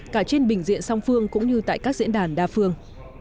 cả trên bình diện song phương cũng như tại các diễn đàn đa phương